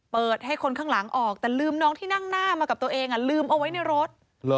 เปิดให้คนข้างหลังออกแต่ลืมน้องที่นั่งหน้ามากับตัวเองลืมเอาไว้ในรถ